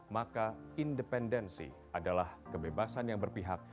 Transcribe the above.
maka independensi adalah kebebasan yang berpihak